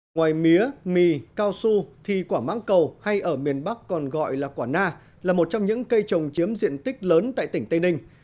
ngoài mía mì cao su thì quả mắng cầu hay ở miền bắc còn gọi là quả na là một trong những cây trồng chiếm diện tích lớn tại tỉnh tây ninh